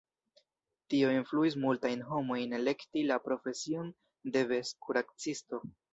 Tio influis multajn homojn elekti la profesion de bestkuracisto.